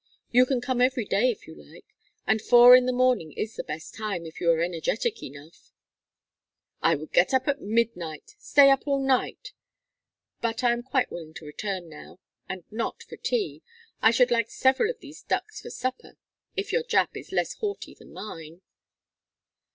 You can come every day if you like; and four in the morning is the best time if you are energetic enough " "I would get up at midnight stay up all night. But I am quite willing to return now and not for tea. I should like several of these ducks for supper, if your Jap is less haughty than mine."